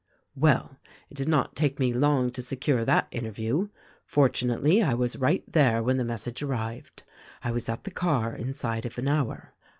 "Well, it did not take me long to secure that interview. Fortunately I was right there when the message arrived. I was at the car inside of an hour.